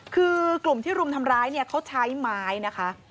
คือกลุ่มที่รุมทำร้ายเนี่ยเขาใช้ไม้นะคะ